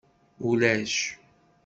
Ulac.